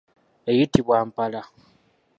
Eyitibwa mpala.